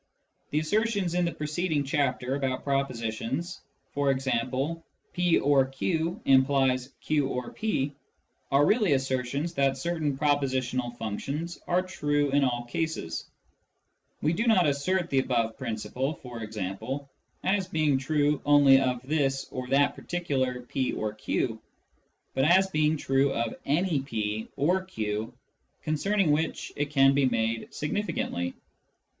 The assertions in the preceding chapter about pro positions, e.g. "' p or q ' implies ' q or p,' " are really assertions Prepositional Functions 159 that certain propositional functions are true in all cases. We do not assert the above principle, for example, as being true only of this or that particular p or q, but as being true of any p or q concerning which it can be made significantly.